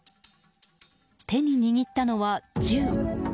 手に握ったのは銃。